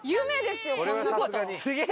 すげえ！